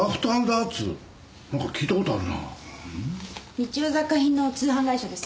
日用雑貨品の通販会社です。